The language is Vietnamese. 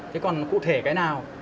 thế còn cụ thể cái nào